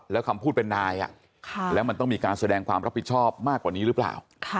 แล้วคำพูดเป็นนายแล้วมันต้องมีการแสดงความรับผิดชอบมากกว่านี้หรือเปล่า